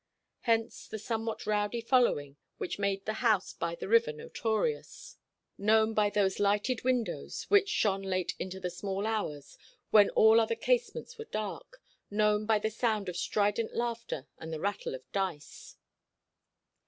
Hence the somewhat rowdy following which made the house by the river notorious; known by those lighted windows which shone late into the small hours, when all other casements were dark; known by the sound of strident laughter and the rattle of dice.